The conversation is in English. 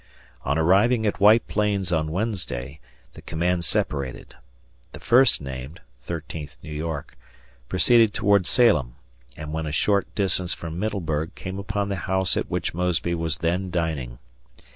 On arriving at White Plains on Wednesday the command separated. ... The first named (13th New York) proceeded toward Salem, and when a short distance from Middleburg came upon the house at which Mosby was then dining.